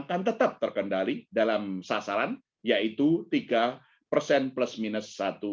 dan mengenakan depresiasi dari bruce craft ra freshman ke tim admiration